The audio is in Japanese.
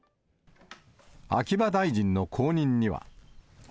秋葉大臣の後任には。